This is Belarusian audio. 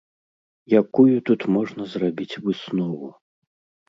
Якую тут можна зрабіць выснову?